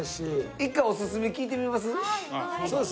一回おすすめ聞いてみます？